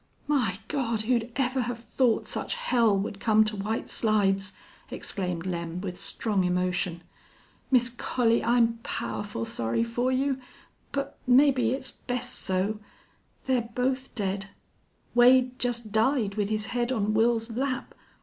"My Gawd! who'd ever have thought such hell would come to White Slides!" exclaimed Lem, with strong emotion. "Miss Collie, I'm powerful sorry fer you. But mebbe it's best so.... They're both dead!... Wade just died with his head on Wils's lap.